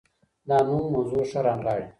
دا نوم موضوع ښه رانغاړي.